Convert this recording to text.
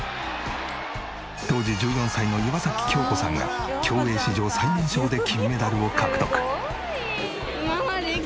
当時１４歳の岩崎恭子さんが競泳史上最年少で金メダルを獲得。